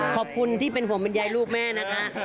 ขอบคุณที่เป็นห่วงเป็นใยลูกแม่นะคะ